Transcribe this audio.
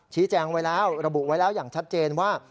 ชี้แจงไว้แล้วระบุไว้แล้วอย่างชัดเจนว่า